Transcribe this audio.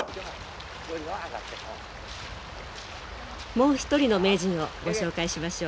もう一人の名人をご紹介しましょう。